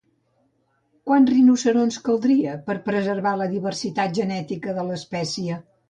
Quants rinoceronts caldria per preservar la diversitat genètica de l'espècie?